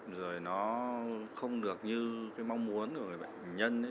rồi nó không được như cái mong muốn của người bệnh nhân ấy